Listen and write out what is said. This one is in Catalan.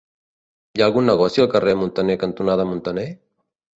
Hi ha algun negoci al carrer Muntaner cantonada Muntaner?